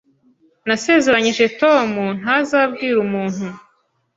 Nasezeranije Tom ntazabwira umuntu.